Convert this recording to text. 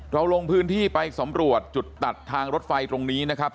เราลงพื้นที่ไปสำรวจจุดตัดทางรถไฟตรงนี้นะครับ